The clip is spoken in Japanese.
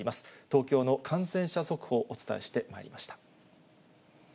東京の感染者速報、お伝えしてまいりました。